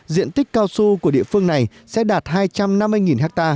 diện tích cao su của địa phương này sẽ đạt hai trăm năm mươi ha